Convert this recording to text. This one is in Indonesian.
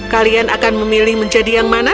kalian akan memilih menjadi yang mana